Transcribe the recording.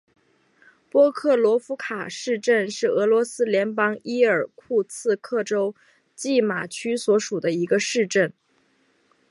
波克罗夫卡市镇是俄罗斯联邦伊尔库茨克州济马区所属的一个市镇。